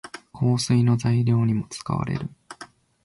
香水の材料にも使われる。